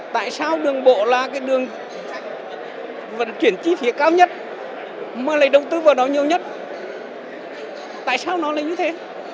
tại sao đường bộ là cái đường vận chuyển chi phí cao nhất mà lại đầu tư vào đó nhiều nhất tại sao nó lại như thế